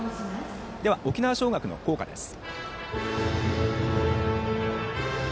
では沖縄尚学の校歌です。